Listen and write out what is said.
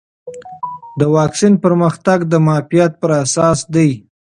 د واکسین پرمختګ د معافیت پر اساس دی.